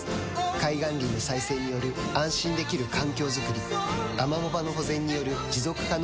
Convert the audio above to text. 海岸林の再生による安心できる環境づくりアマモ場の保全による持続可能な海づくり